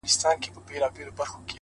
خاموش پرمختګ تر ښکاره خبرو قوي دی؛